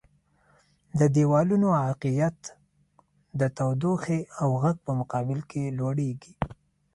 د دیوالونو عایقیت د تودوخې او غږ په مقابل کې لوړیږي.